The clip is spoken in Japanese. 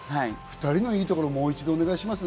２人のいいところをもう一度お願いします。